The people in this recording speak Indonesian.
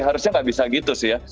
harusnya nggak bisa gitu sih ya